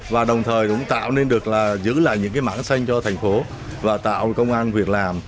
và đồng thời cũng tạo nên được là giữ lại những cái mảng xanh cho thành phố và tạo công an việc làm